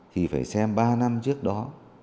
thì phải xem ba năm trước đó